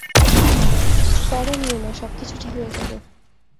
প্যারা নিও না, সবকিছু ঠিক হয়ে যাবে।